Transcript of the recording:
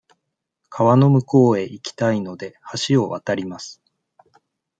川の向こうへ行きたいので、橋を渡ります。